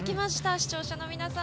視聴者の皆さん